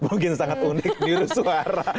mungkin sangat unik biru suara